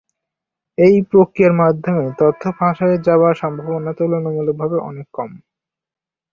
এ প্রক্রিয়ার মাধ্যমে তথ্য ফাঁস হয়ে যাবার সম্ভাবনা তুলনামূলকভাবে অনেক কম।